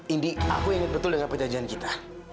indi aku ingat betul dengan perjanjian kita